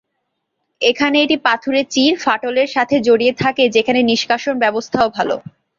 এখানে এটি পাথুরে চিড়, ফাটলের সাথে জড়িয়ে থাকে যেখানে নিষ্কাশন ব্যবস্থাও ভাল।